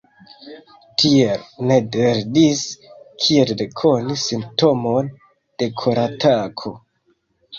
Tiel Ned lernis kiel rekoni simptomon de koratako.